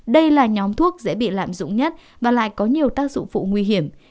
đây là nhóm thuốc dễ bị lạm dụng nhất và lại có nhiều tác dụng phụ nguy hiểm